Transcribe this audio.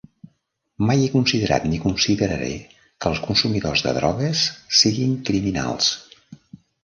Mai he considerat ni consideraré que els consumidors de drogues siguin "criminals".